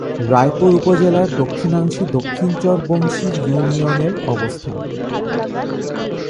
রায়পুর উপজেলার দক্ষিণাংশে দক্ষিণ চর বংশী ইউনিয়নের অবস্থান।